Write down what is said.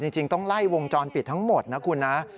จริงต้องไล่วงจรปิดทั้งหมดนะคุณนะ